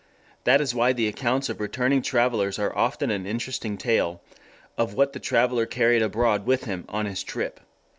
That is why the accounts of returning travellers are often an interesting tale of what the traveller carried abroad with him on his trip.